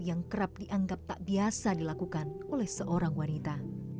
yang kerap dianggap tak biasa dilakukan oleh seorang wanita